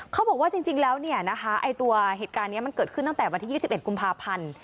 เขาบอกว่าจริงแล้วเนี่ยนะคะไอ้ตัวเหตุการณ์นี้มันเกิดขึ้นตั้งแต่วันที่๒๑กุมภาพันธ์